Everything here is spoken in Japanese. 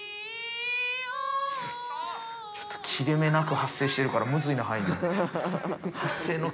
ちょっと切れ目なく発声してるから、むずいな、入るの。